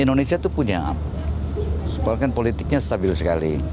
indonesia itu punya sebagian politiknya stabil sekali